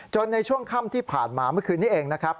ในช่วงค่ำที่ผ่านมาเมื่อคืนนี้เองนะครับ